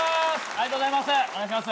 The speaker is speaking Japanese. ありがとうございます。